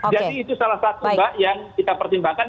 jadi itu salah satu mbak yang kita pertimbangkan